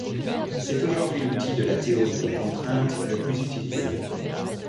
C'est aujourd'hui l'outil de la Théorie des Contraintes le plus utilisé.